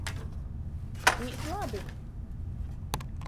Īt labi.